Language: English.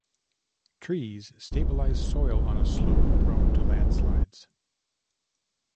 Trees stabilize soil on a slope prone to landslides.